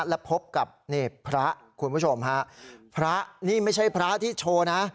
และพบกับนี่พระคุณผู้ชมฮะพระนี่ไม่ใช่พระที่โชว์นะ